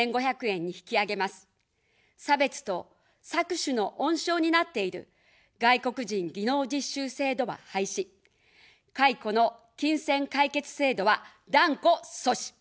差別と搾取の温床になっている外国人技能実習制度は廃止、解雇の金銭解決制度は断固阻止。